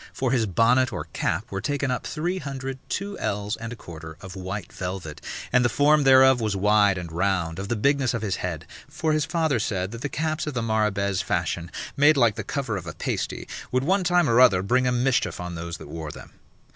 For his bonnet or cap were taken up three hundred, two ells and a quarter of white velvet, and the form thereof was wide and round, of the bigness of his head; for his father said that the caps of the Marrabaise fashion, made like the cover of a pasty, would one time or other bring a mischief on those that wore them.